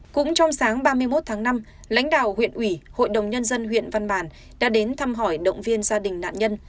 cũng trong sáng ba mươi một tháng năm lãnh đạo huyện ủy hội đồng nhân dân huyện văn bàn đã đến thăm hỏi động viên gia đình nạn nhân